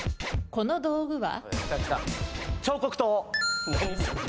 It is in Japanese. この道具は？